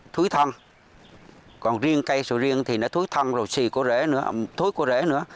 thúi thân còn riêng cây sầu riêng thì nó thúi thân rồi xì cô rễ nữa thúi cô rễ nữa